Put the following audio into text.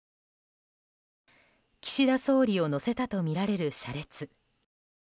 岸田総理を乗せたとみられる車列。